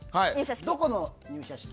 どこの入社式？